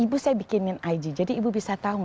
ibu saya bikinin ig jadi ibu bisa tahu